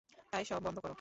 তাই সব বন্ধ করো।